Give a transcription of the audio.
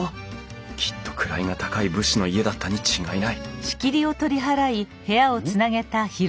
きっと位が高い武士の家だったに違いないん？